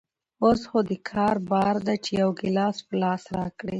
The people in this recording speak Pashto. اوس خو دکار بار ده چې يو ګيلاس په لاس راکړي.